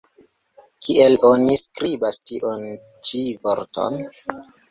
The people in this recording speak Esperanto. Kiel oni skribas tiun ĉi vorton?